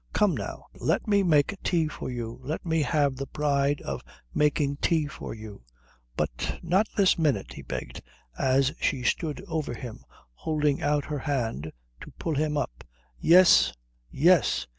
Come now. Let me make tea for you. Let me have the pride of making tea for you." "But not this minute!" he begged, as she stood over him holding out her hand to pull him up. "Yes, yes.